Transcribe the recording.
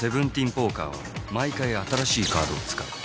ポーカーは毎回新しいカードを使う。